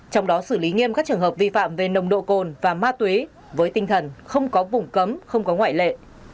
trong đó xử lý nghiêm các trường hợp vi phạm về nồng độ cồn và ma túy với tinh thần không có vùng cấm không có ngoại lệ